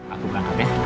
aku kagak ya